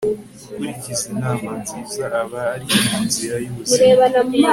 ukurikiza inama nziza aba ari mu nzira y'ubuzima